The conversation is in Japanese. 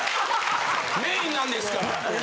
メインなんですから。